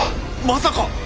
まさか！